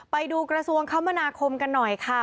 ไปดูกระทรวงคมนาคมกันหน่อยค่ะ